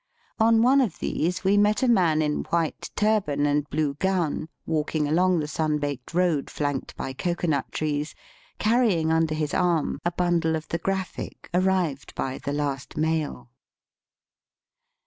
On one of these we met a man in white turban and blue gown, walking along the sun baked road flanked by cocoa nut trees, carrying under his arm a bundle of the Oraphic arrived by the last mail.